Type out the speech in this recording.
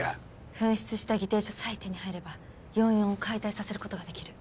紛失した議定書さえ手に入れば４４を解体させる事ができる。